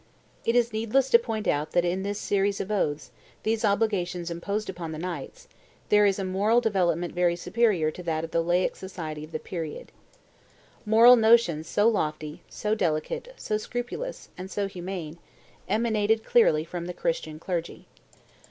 It is needless to point out that in this series of oaths, these obligations imposed upon the knights, there is a moral development very superior to that of the laic society of the period. Moral notions so lofty, so delicate, so scrupulous, and so humane, emanated clearly from the Christian clergy.